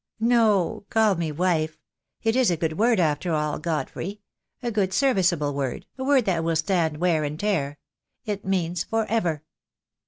"No, call me wife. It is a good word, after all, God frey— a good serviceable word, a word that will stand wear and tear. It means for ever."